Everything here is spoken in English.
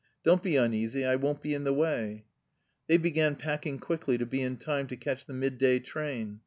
Don't be uneasy, I won't be in the way." They began packing quickly to be in time to catch the midday train.